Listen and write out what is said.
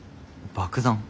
爆弾？